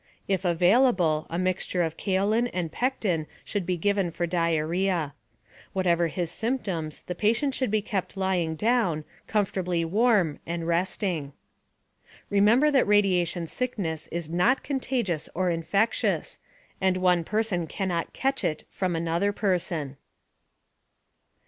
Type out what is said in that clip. If available, a mixture of kaolin and pectin should be given for diarrhea. Whatever his symptoms, the patient should be kept lying down, comfortably warm, and resting. Remember that radiation sickness is not contagious or infectious, and one person cannot "catch it" from another person.